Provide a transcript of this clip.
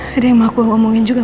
ada yang aku omongin juga